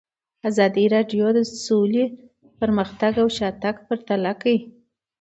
ازادي راډیو د سوله پرمختګ او شاتګ پرتله کړی.